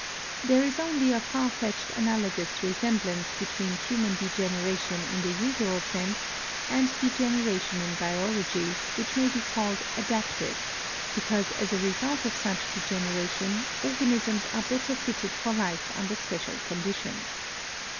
There is only a far fetched analogous re semblance between human degeneration in the usual sense and degeneration in biology which may be called adaptive because as a result of such degeneration organisms are better fitted for life under special conditions.